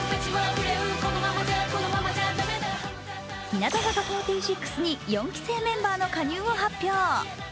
日向坂４６に４期生メンバーの加入を発表。